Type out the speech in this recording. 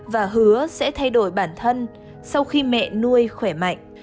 và hứa sẽ thay đổi bản thân sau khi mẹ nuôi khỏe mạnh